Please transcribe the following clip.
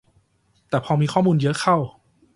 แต่พอมีข้อมูลเยอะเข้า